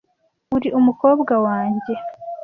Uri umukobwa wanjye,